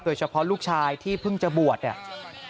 โดยเฉพาะลูกชายที่เพิ่งจะบวช